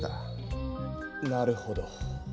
なるほど。